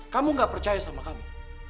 kamu gak percaya sama kamu